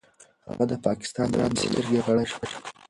هغه د پاکستان د ولسي جرګې غړی شو.